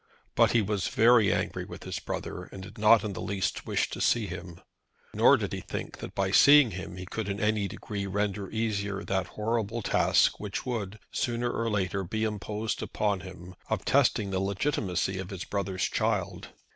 But he was very angry with his brother, and did not in the least wish to see him. Nor did he think that by seeing him he could in any degree render easier that horrible task which would, sooner or later, be imposed upon him, of testing the legitimacy of his brother's child.